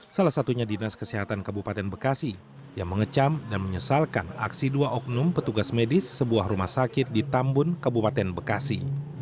salah satunya dinas kesehatan kabupaten bekasi yang mengecam dan menyesalkan aksi dua oknum petugas medis sebuah rumah sakit di tambun kabupaten bekasi